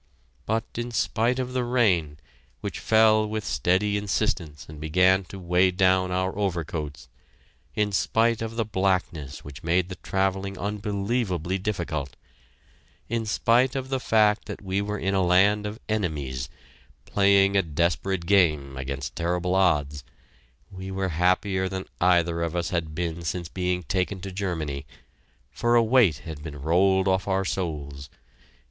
But in spite of the rain, which fell with steady insistence and began to weigh down our overcoats; in spite of the blackness which made the travelling unbelievably difficult; in spite of the fact that we were in a land of enemies, playing a desperate game against terrible odds, we were happier than either of us had been since being taken to Germany, for a weight had been rolled off our souls.